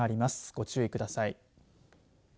ご注意ください。